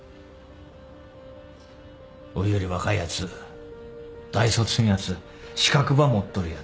おいより若いやつ大卒のやつ資格ば持っとるやつ。